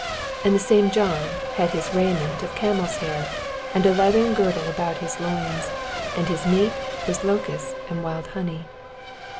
4 And the same John had his ral inent of oamePs hair, and a leathern |;irdl6 abcnt his loins ; and his meat was loooatB and wild honey.